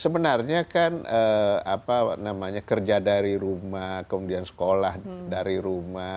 sebenarnya kan kerja dari rumah kemudian sekolah dari rumah